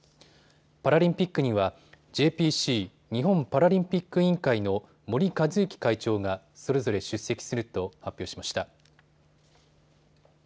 パラリンピックにはＪＰＣ・日本パラリンピック委員会の森和之会長がそれぞれ出席すると発表しました。